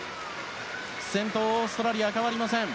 先頭はオーストラリア変わりません。